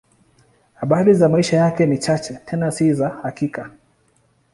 Habari za maisha yake ni chache, tena si za hakika.